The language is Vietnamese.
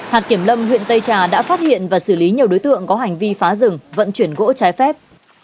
hạt kiểm lâm huyện tây trà đã phát hiện và xử lý nhiều đối tượng có hành vi phá rừng vận chuyển gỗ trái phép